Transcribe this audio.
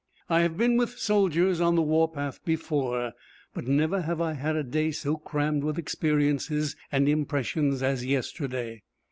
I have been with soldiers on the warpath before, but never have I had a day so crammed with experiences and impressions as yesterday.